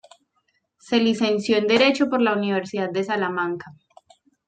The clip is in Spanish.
Se licenció en Derecho por la Universidad de Salamanca.